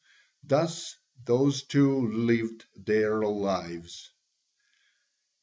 Thus those two lived their lives. [C.